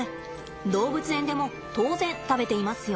動物園でも当然食べていますよ。